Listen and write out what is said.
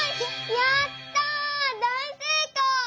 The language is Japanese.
やっただいせいこう！